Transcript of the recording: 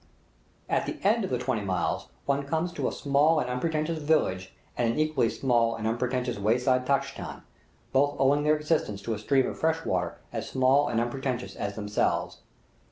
At the end of the twenty miles one comes to a small and unpretentious village and an equally small and unpretentious wayside tchai khan, both owing their existence to a stream of fresh water as small and unpretentious as themselves.